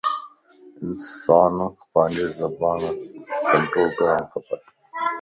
انسان ک پانجي زبان تَ ڪنٽرول ڪرڻ کپ